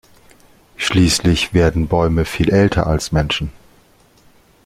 Schließlich werden Bäume viel älter als Menschen.